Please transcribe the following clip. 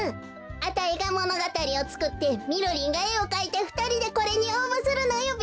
あたいがものがたりをつくってみろりんがえをかいてふたりでこれにおうぼするのよべ。